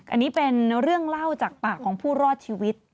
อันนี้เป็นเรื่องเล่าจากปากของผู้รอดชีวิต